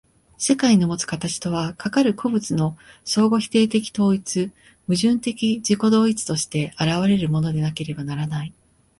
世界のもつ形とは、かかる個物の相互否定的統一、矛盾的自己同一として現れるものでなければならない。